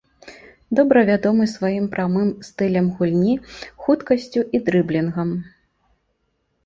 Добра вядомы сваім прамым стылем гульні, хуткасцю і дрыблінгам.